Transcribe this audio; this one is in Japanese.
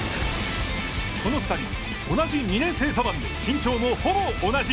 この２人、同じ２年生左腕で、身長もほぼ同じ。